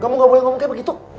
kamu gak boleh ngomong kayak begitu